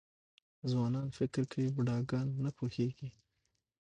ځوانان فکر کوي بوډاګان نه پوهېږي .